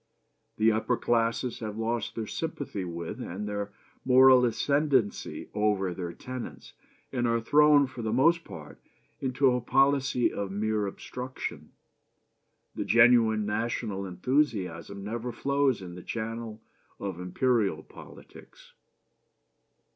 "The upper classes have lost their sympathy with and their moral ascendency over their tenants, and are thrown for the most part into a policy of mere obstruction. The genuine national enthusiasm never flows in the channel of imperial politics.